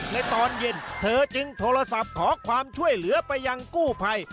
ในตอนเย็นเธอจึงโทรศัพท์ขอความช่วยเหลือไปยังกู้ภัย